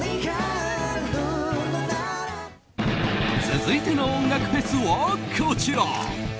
続いての音楽フェスはこちら。